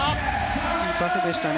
いいパスでしたね。